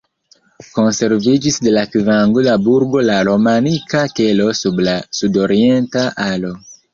Konserviĝis de la kvarangula burgo la romanika kelo sub la sudorienta alo.